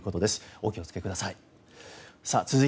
お気をつけください。